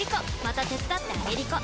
また手伝ってあげりこ！